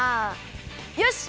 よし！